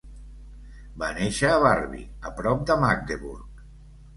Va néixer a Barby, a prop de Magdeburg.